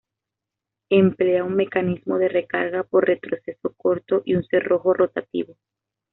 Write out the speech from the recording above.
Emplea un mecanismo de recarga por retroceso corto y un cerrojo rotativo.